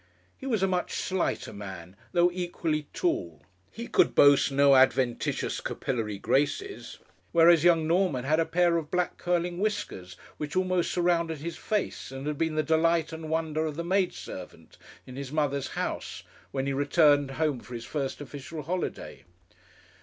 He was a much slighter man, though equally tall. He could boast no adventitious capillary graces, whereas young Norman had a pair of black curling whiskers, which almost surrounded his face, and had been the delight and wonder of the maidservants in his mother's house, when he returned home for his first official holiday.